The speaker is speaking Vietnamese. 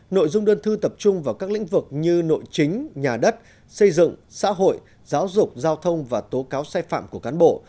nội dung đơn thư tập trung vào các lĩnh vực như nội chính nhà đất xây dựng xã hội giáo dục giao thông và tố cáo sai phạm của cán bộ